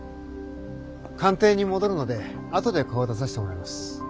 官邸に戻るので後で顔出させてもらいます。